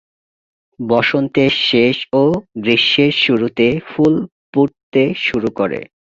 বসন্তের শেষ ও গ্রীষ্মের শুরুতে ফুল ফুটতে শুরু করে।